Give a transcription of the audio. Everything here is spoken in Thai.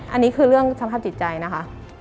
อันนี้คือเรื่องสภาพจิตใจนะคะ